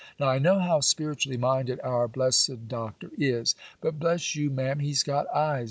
Now I know how spiritually minded our blessed Doctor is; but, bless you, Ma'am, he's got eyes.